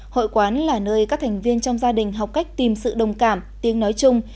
hội quán là nơi các thành viên trong gia đình học cách tìm sự đồng cảm tiếng nói chung